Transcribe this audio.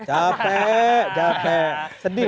capek capek sedih